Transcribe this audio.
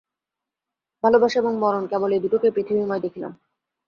ভালোবাসা এবং মরণ কেবল এই দুটোকেই পৃথিবীময় দেখিলাম।